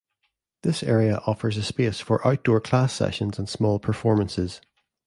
This area offers a space for outdoor class sessions and small performances.